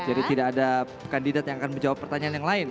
jadi tidak ada kandidat yang akan menjawab pertanyaan yang lain